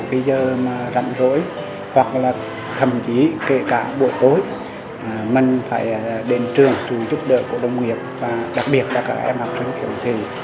cái giờ mà rắn rỗi hoặc là thậm chí kể cả buổi tối mình phải đến trường sự giúp đỡ của đồng nghiệp và đặc biệt là các em học sinh khiếm thị